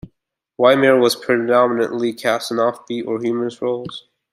Waymire was predominantly cast in offbeat or humorous roles.